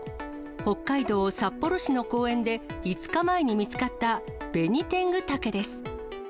北海道札幌市公園で５日前に見つかったベニテングタケです。